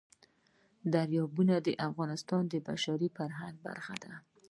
دریابونه د افغانستان د بشري فرهنګ برخه ده.